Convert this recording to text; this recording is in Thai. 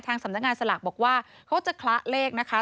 สำนักงานสลากบอกว่าเขาจะคละเลขนะคะ